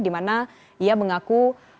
dimana ia mengaku